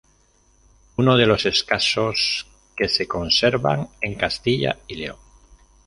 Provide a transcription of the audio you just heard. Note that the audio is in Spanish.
Uno de los escasos que se conservan en Castilla y León.